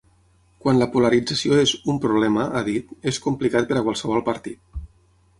Quan la polarització és ‘un problema’, ha dit, és complicat per a qualsevol partit.